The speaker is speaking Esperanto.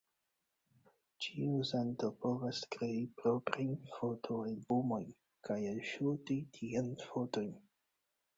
Ĉiu uzanto povas krei proprajn fotoalbumojn kaj alŝuti tien fotojn.